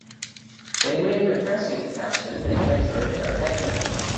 They made him a precinct captain and later their bagman.